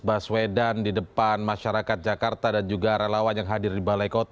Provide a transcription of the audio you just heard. baswedan di depan masyarakat jakarta dan juga relawan yang hadir di balai kota